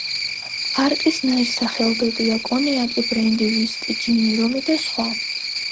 არყის ნაირსახეობებია: კონიაკი, ბრენდი, ვისკი, ჯინი, რომი და სხვა.